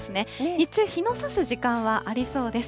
日中、日の差す時間はありそうです。